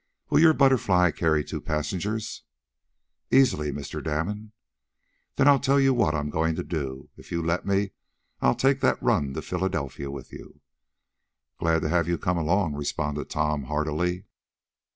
Will your BUTTERFLY carry two passengers?" "Easily, Mr. Damon." "Then I'll tell you what I'm going to do. If you'll let me I'll take that run to Philadelphia with you!" "Glad to have you come along," responded Tom, heartily.